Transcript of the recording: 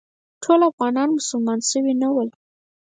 ټول افغانان مسلمانان شوي نه ول.